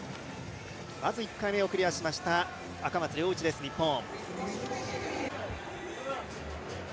１回目をクリアしました赤松諒一です、日本。